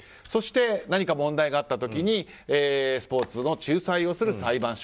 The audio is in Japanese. そして何か問題があった時にスポーツの仲裁をするＣＡＳ。